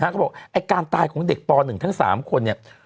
เขาบอกไอ้การตายของเด็กป๑ทั้ง๓คนเนี่ย